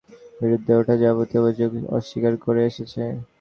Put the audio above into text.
FIFA অবশ্য বরাবরই তাদের বিরুদ্ধে ওঠা যাবতীয় অভিযোগ অস্বীকার করে এসেছে।